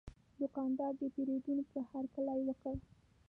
دوکاندار د پیرودونکي هرکلی وکړ.